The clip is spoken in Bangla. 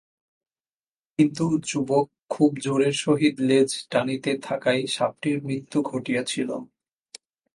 কিন্তু যুবক খুব জোরের সহিত লেজ টানিতে থাকায় সাপটির মৃত্যু ঘটিয়াছিল।